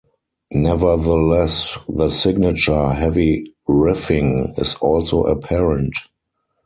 Nevertheless, the signature heavy riffing is also apparent.